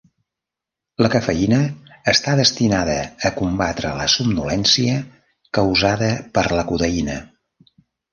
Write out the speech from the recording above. La cafeïna està destinada a combatre la somnolència causada per la codeïna.